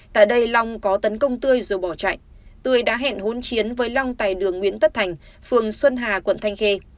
tại đây long có tấn công tươi rồi bỏ chạy tươi đã hẹn hỗn chiến với long tại đường nguyễn tất thành phường xuân hà quận thanh khê